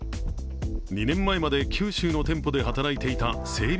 ２年前まで九州の店舗で働いていた整備